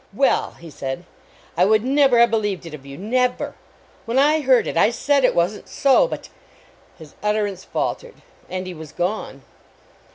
"Well," he said, " I would never have believed it of you. Never. When I heard it, I said it wasn t so but ." His utter ance faltered. And he was gone.